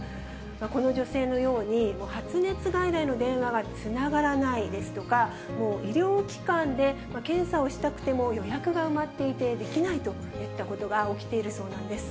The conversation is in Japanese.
この女性のように、発熱外来の電話がつながらないですとか、もう医療機関で検査をしたくても予約が埋まっていてできないといったことが起きているそうなんです。